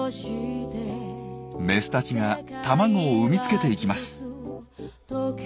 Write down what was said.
メスたちが卵を産み付けていきます。